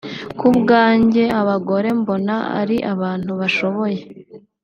Ku bwanjye abagore mbona ari abantu bashoboye